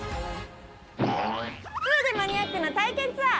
ツウでマニアックな体験ツアー。